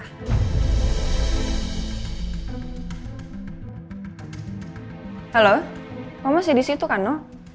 halo kamu masih disitu kan no